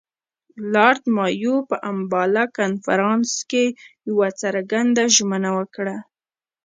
لارډ مایو په امباله کنفرانس کې یوه څرګنده ژمنه وکړه.